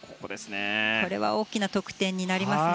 これは大きな得点になりますね。